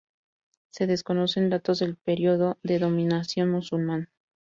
Se desconocen datos del periodo de dominación musulmán.